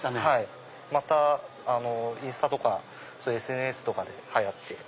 またインスタとかＳＮＳとかで流行ってる。